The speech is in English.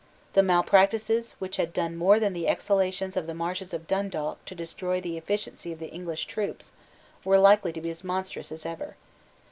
The malpractices, which had done more than the exhalations of the marshes of Dundalk to destroy the efficiency of the English troops, were likely to be as monstrous as ever.